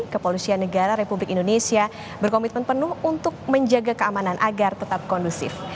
kepolisian negara republik indonesia berkomitmen penuh untuk menjaga keamanan agar tetap kondusif